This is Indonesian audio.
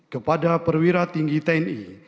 kepada perwira tinggi tni